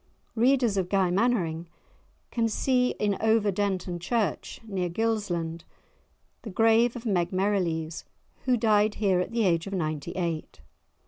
Readers of "Guy Mannering" can see in Over Denton church near Gilsland the grave of Meg Merrilees, who died here at the age of ninety eight.